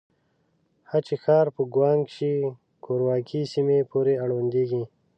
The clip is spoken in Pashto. هه چه ښار په ګوانګ شي کورواکې سيمې پورې اړونديږي.